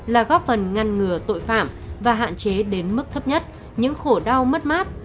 là góp phần ngăn ngừa tội phạm và hạn chế đến mức thấp nhất những khổ đau mất mát